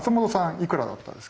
いくらだったですか？